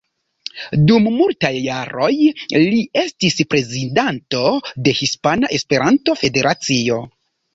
Dum multaj jaroj li estis prezidanto de Hispana Esperanto-Federacio.